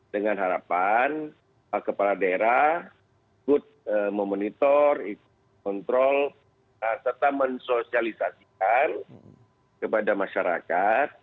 dengan harapan kepala daerah ikut memonitor ikut kontrol serta mensosialisasikan kepada masyarakat